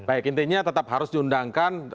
baik intinya tetap harus diundangkan